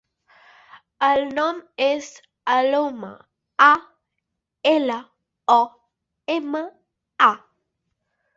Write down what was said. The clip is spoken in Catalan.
El nom és Aloma: a, ela, o, ema, a.